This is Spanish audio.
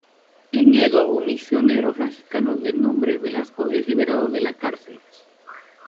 En Edo un misionero franciscano, de nombre Velasco, es liberado de la cárcel.